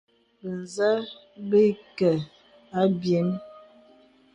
Bə̀zə̄ bə̀ ǐ kə̀ abyēm.